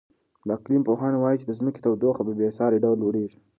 د اقلیم پوهان وایي چې د ځمکې تودوخه په بې ساري ډول لوړېږي.